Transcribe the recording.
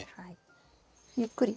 ゆっくり。